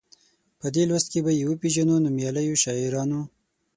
په دې لوست کې به یې وپيژنو نومیالیو شاعرانو.